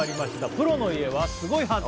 『プロの家は凄いはず！』